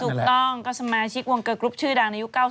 ถูกต้องก็สมาชิกวงเกอร์กรุ๊ปชื่อดังในยุค๙๐